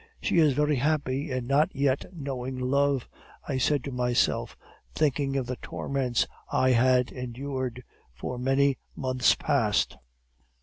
"'She is very happy in not yet knowing love,' I said to myself, thinking of the torments I had endured for many months past.